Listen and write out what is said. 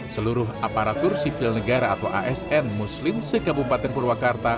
seluruh aparatur sipil negara atau asn muslim sekabupaten purwakarta